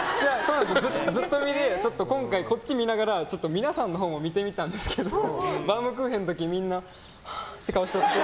ずっとみで今回、こっち見ながら皆さんのほうも見てみたんですけどバウムクーヘンの時、みんなはーって顔しとって。